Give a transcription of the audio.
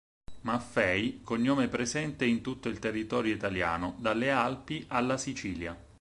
Maffei cognome presente in tutto il territorio italiano, dalle Alpi alla Sicilia.